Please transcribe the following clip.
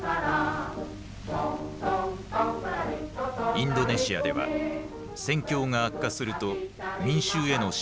インドネシアでは戦況が悪化すると民衆への締めつけが始まった。